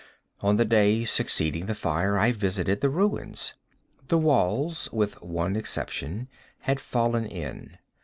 On the day succeeding the fire, I visited the ruins. The walls, with one exception, had fallen in.